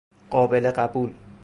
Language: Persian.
قابل قبول